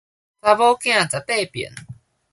查某囝十八變